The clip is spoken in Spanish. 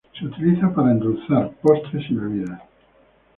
Se utiliza para endulzar postres y bebidas.